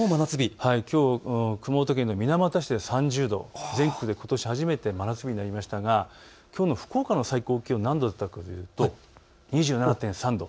きょう熊本県の水俣市で３０度、ことし初めて真夏日になりましたが、きょうの福岡の最高気温は２７．３度。